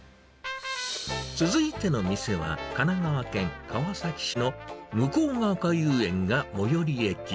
続いての店は、神奈川県川崎市のむこうがおか遊園が最寄り駅。